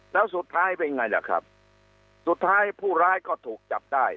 แล้วสุดท้ายเป็นไงล่ะครับสุดท้ายผู้ร้ายก็ถูกจับได้